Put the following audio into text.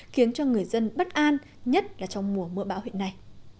khiến cho người dân bất an nhất là trong mùa mưa bão huyện này